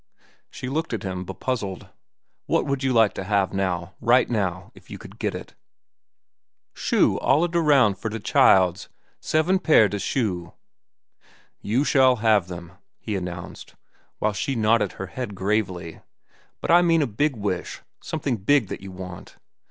She looked at him, bepuzzled. "What would you like to have now, right now, if you could get it?" "Shoe alla da roun' for da childs—seven pairs da shoe." "You shall have them," he announced, while she nodded her head gravely. "But I mean a big wish, something big that you want."